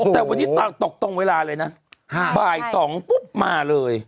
แต่วันนี้ตกตรงเวลาเลยนะบ่าย๒ปุ๊บมาเลย